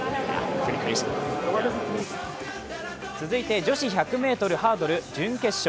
続いて女子１００ｍハードル準決勝。